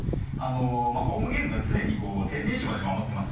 ホームゲームが常に天然芝で守ってますので